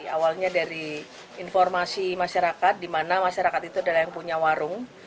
awalnya dari informasi masyarakat di mana masyarakat itu adalah yang punya warung